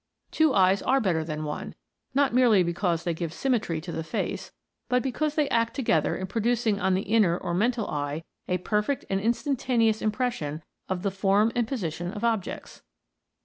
Two eyes are better than one, not merely because they give symmetry to the face, but because they act together in producing on the inner or mental eye, a perfect and instantaneous impression of the form and position of objects.